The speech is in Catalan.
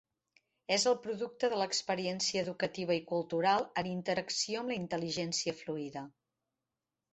És el producte de l'experiència educativa i cultural en interacció amb la intel·ligència fluïda.